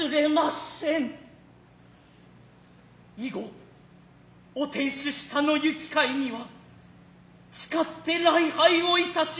以後お天守下の往かひには誓つて礼拝をいたします。